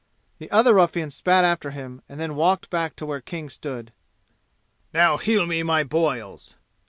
The other ruffian spat after him, and then walked back to where King stood. "Now heal me my boils!"